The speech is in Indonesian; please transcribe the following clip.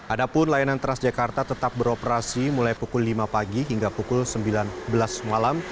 ada pun layanan tras jakarta tetap beroperasi mulai pukul lima pagi hingga pukul sembilan belas malam